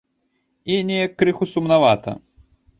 І неяк крыху сумнавата.